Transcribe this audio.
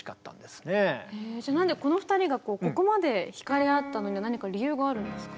この２人がここまで惹かれ合ったのには何か理由があるんですか？